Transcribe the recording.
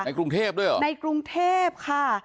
กรุงเทพด้วยเหรอในกรุงเทพค่ะ